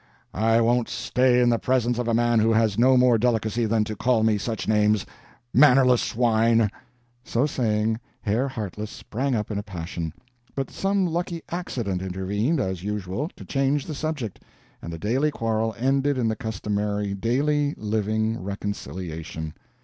"I won't stay in the presence of a man who has no more delicacy than to call me such names. Mannerless swine!" So saying, Herr Heartless sprang up in a passion. But some lucky accident intervened, as usual, to change the subject, and the daily quarrel ended in the customary daily living reconciliation.